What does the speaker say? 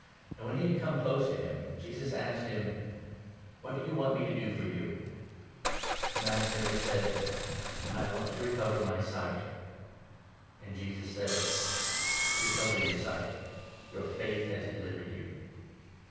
40 And, when he had come close up to him, Jesus asked him :" What do you want me to do for you ?" 41 " Master," he said, " I want to recover my sight." And Jesus said :" Recover your sight, your faith has delivered 42 you."